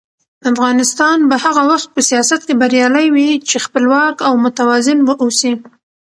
افغانستان به هغه وخت په سیاست کې بریالی وي چې خپلواک او متوازن واوسي.